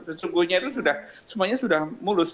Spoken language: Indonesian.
sesungguhnya itu sudah semuanya sudah mulus